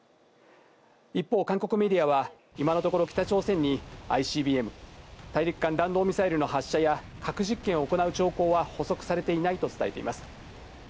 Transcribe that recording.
一方、韓国メディアは今のところ、北朝鮮にＩＣＢＭ・大陸間弾道ミサイルの発射や、核実験を行う兆候は捕捉されていないと伝えています。